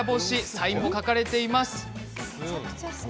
サインも入っています。